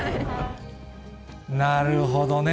なるほどね。